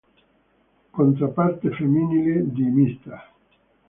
Controparte femminile di Mr.